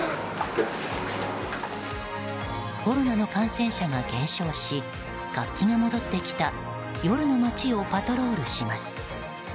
コロナの感染者が減少し活気が戻ってきた夜の街をパトロールします。